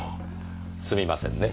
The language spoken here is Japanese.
すみませんね。